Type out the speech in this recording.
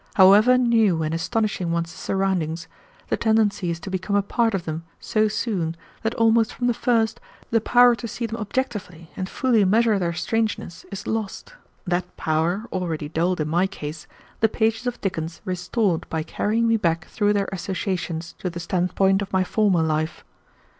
However new and astonishing one's surroundings, the tendency is to become a part of them so soon that almost from the first the power to see them objectively and fully measure their strangeness, is lost. That power, already dulled in my case, the pages of Dickens restored by carrying me back through their associations to the standpoint of my former life.